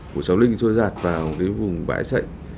của cháu linh trôi giặt vào cái vùng bãi sệnh